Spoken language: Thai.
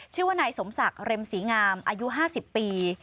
ชื่อว่านายสมศักดิ์เร็มศรีงามอายุ๕๐ปี